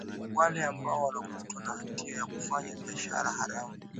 wale ambao wanakutwa na hatia ya kufanya biashara haramu